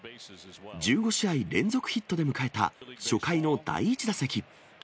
１５試合連続ヒットで迎えた初回の第１打席。